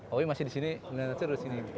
awya masih disini liliana nasir udah disini